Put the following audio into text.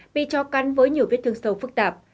bị cho cắn với nhiều vết thương sâu phức tạp